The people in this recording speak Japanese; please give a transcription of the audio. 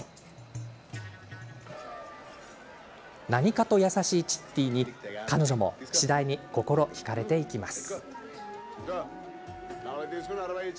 何かと優しいチッティに彼女も次第に心引かれていきます。